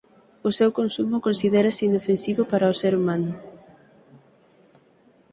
O seu consumo considérase inofensivo para o ser humano.